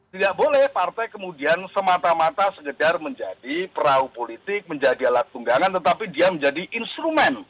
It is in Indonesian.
tidak boleh partai kemudian semata mata segedar menjadi perahu politik menjadi alat tunggangan tetapi dia menjadi instrumen